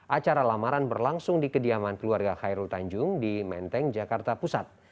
acara lamaran berlangsung di kediaman keluarga khairul tanjung di menteng jakarta pusat